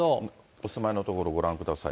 お住まいの所、ご覧ください。